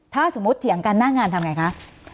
ถ้าสมมุติเถียงกันหน้างานทำไงคะ